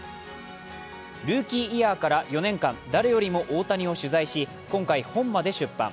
ルーキーイヤーから４年間、誰よりも大谷を取材し、今回、本まで出版。